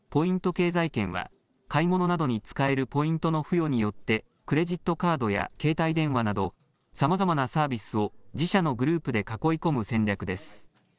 経済圏は、買い物などに使えるポイントの付与によってクレジットカードや携帯電話など、さまざまなサービスを自社のグループで囲い込む戦略です。